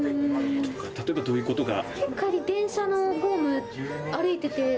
例えばどういうことが？